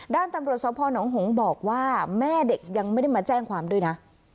ด้านตำรวจสพนหงษ์บอกว่าแม่เด็กยังไม่ได้มาแจ้งความด้วยนะ